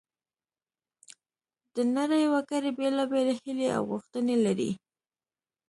د نړۍ وګړي بیلابیلې هیلې او غوښتنې لري